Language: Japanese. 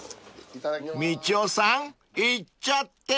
［みちおさんいっちゃって］